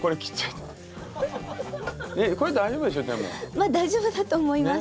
まあ大丈夫だと思います。